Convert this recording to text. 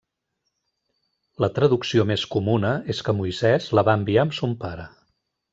La traducció més comuna és que Moisès la va enviar amb son pare.